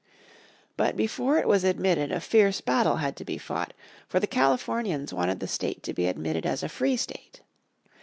But before it was admitted a fierce battle had to be fought, for the Californians wanted the state to be admitted as a free state.